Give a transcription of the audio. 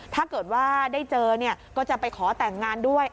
ถ้าได้เจอเดี๋ยวจะไปขอแต่งงานด้วย